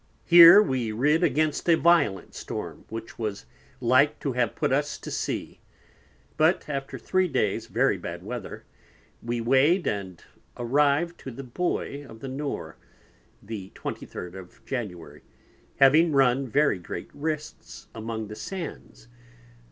Here we rid against a violent Storm, which was like to have put us to Sea. But after three Days very bad Weather, we weighed and arrived to the Buoy of the Nore the 23d of January, having run very great Risks among the Sands.